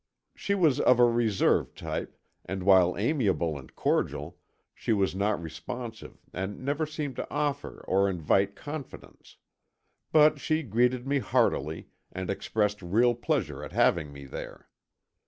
She was of a reserved type and while amiable and cordial, she was not responsive and never seemed to offer or invite confidence. But she greeted me heartily, and expressed real pleasure at having me there.